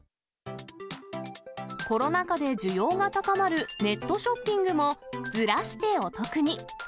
コロナ禍で需要が高まるネットショッピングも、ずらしてお得に。